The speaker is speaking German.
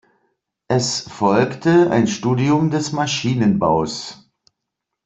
Es folgte ein Studium des Maschinenbaus.